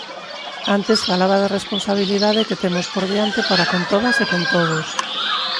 Antes falaba da responsabilidade que temos por diante para con todas e con todos.